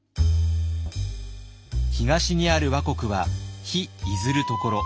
東にある倭国は「日出ずる処」。